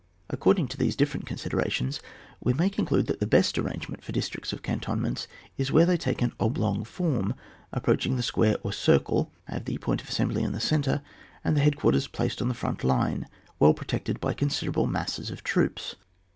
According to these different considera tions, we may conclude that the best arrangement for districts of cantonments is where they take an oblong form, ap proaching the square or circle, have the point of assembly in the centre, and the head quarters placed on the front line, well protected by considerable masses of troops.